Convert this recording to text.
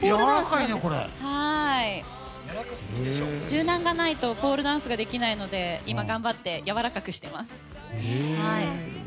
柔軟がないとポールダンスができないので今、頑張ってやわらかくしています。